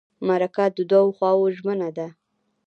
مرکه د دوو خواوو ژمنه ده.